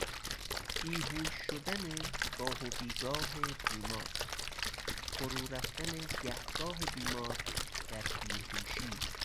بیهوش شدن گاه و بیگاه بیمار، فرو رفتن گهگاه بیمار در بیهوشی